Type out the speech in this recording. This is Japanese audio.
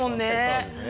そうですね。